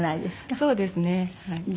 そうですねはい。